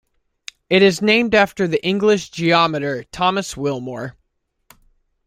It is named after the English geometer Thomas Willmore.